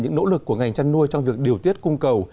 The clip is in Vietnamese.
những nỗ lực của ngành chăn nuôi trong việc điều tiết cung cầu